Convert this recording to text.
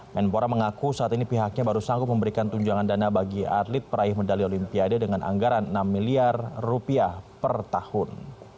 menpora mengaku saat ini pihaknya baru sanggup memberikan tunjangan dana bagi atlet peraih medali olimpiade dengan anggaran enam miliar rupiah per tahun